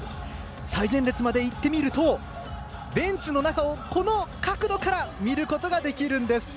最前列まで行ってみるとベンチの中から、この角度で見ることができるんです。